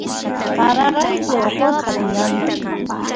pararayku oqosqa tiyani